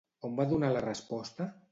On va donar la resposta?